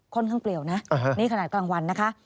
ค่อนข้างเปรียวนะนี่ขณะกลางวันนะคะ